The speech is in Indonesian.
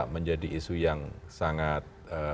menjadi isu yang sangat